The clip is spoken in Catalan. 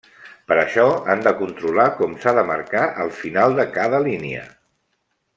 Per això, han de controlar com s'ha de marcar el final de cada línia.